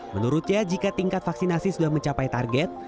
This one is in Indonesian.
menurutnya jika tingkat vaksinasi sudah mencapai target